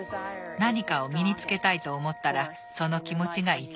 「何かを身につけたいと思ったらその気持ちがいちばん大切。